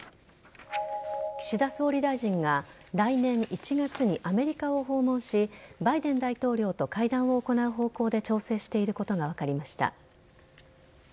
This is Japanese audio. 岸田総理大臣が来年１月にアメリカを訪問しバイデン大統領と会談を行う方向で調整していることが分かりました。